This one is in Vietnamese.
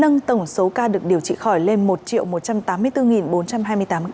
nâng tổng số ca được điều trị khỏi lên một một trăm tám mươi bốn bốn trăm hai mươi tám ca